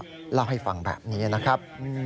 ก็เล่าให้ฟังแบบนี้นะครับ